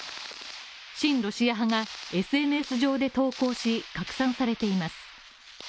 親ロシア派がＳＮＳ上で投稿し、拡散されています